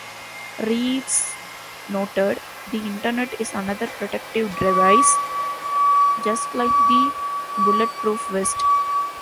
Reeves noted: The Internet is another protective device, just like the bulletproof vest.